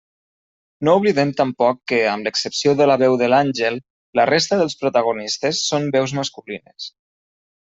No oblidem tampoc que, amb l'excepció de la veu de l'àngel, la resta dels protagonistes són veus masculines.